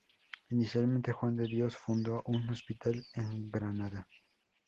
Inicialmente Juan de Dios fundó un hospital en Granada.